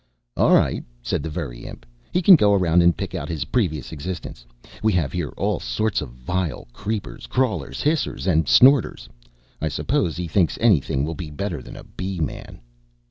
"All right," said the Very Imp; "he can go around, and pick out his previous existence. We have here all sorts of vile creepers, crawlers, hissers, and snorters. I suppose he thinks any thing will be better than a Bee man."